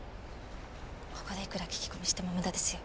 ここでいくら聞き込みしても無駄ですよ。